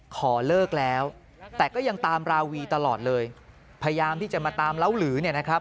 ขอเลิกแล้วแต่ก็ยังตามราวีตลอดเลยพยายามที่จะมาตามเล้าหลือเนี่ยนะครับ